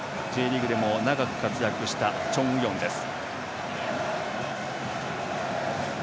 Ｊリーグでも長く活躍したチョン・ウヨンです。